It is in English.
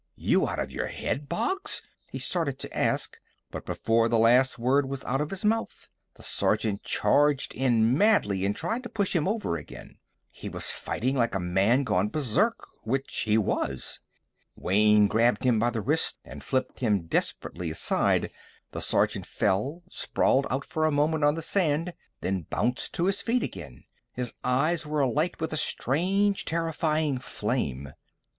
"You out of your head, Boggs?" he started to ask but before the last word was out of his mouth, the sergeant charged in madly and tried to push him over again. He was fighting like a man gone berserk which he was. Wayne grabbed him by the wrist and flipped him desperately aside. The sergeant fell, sprawled out for a moment on the sand, then bounced to his feet again. His eyes were alight with a strange, terrifying flame.